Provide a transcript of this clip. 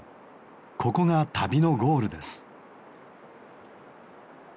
ここが旅のゴールです。